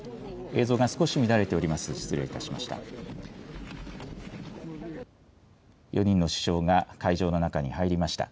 映像が少し乱れております、失礼いたしました。